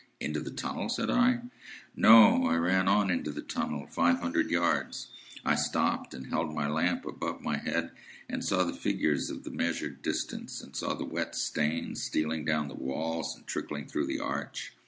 "Into the tunnel?" said I. "No. I ran on into the tunnel, five hundred yards. I stopped, and held my lamp above my head, and saw the figures of the measured distance, and saw the wet stains stealing down the walls and trickling through the arch.